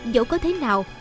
dẫu có thế nào